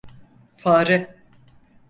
Fare!